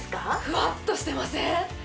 ふわっとしてません？